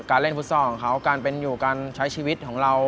เล่นฟุตซอลของเขาการเป็นอยู่การใช้ชีวิตของเรา